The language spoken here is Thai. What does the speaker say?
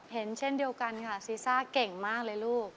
เช่นเดียวกันค่ะซีซ่าเก่งมากเลยลูก